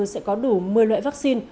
sẽ có đủ một mươi loại vaccine